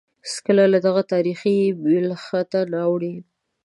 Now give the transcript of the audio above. هېڅکله له دغه تاریخي بېلښته نه اوړي.